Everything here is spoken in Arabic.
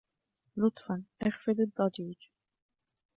لطفاً، اخفض الضجيج.